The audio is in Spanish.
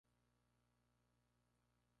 Los tetrápodos más tempranos no fueron terrestres.